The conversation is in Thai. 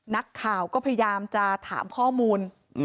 นักข่าวก็พยายามจะถามข้อมูล